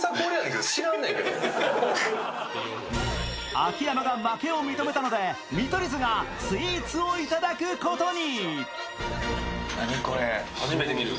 秋山が負けを認めたので見取り図がスイーツをいただくことに。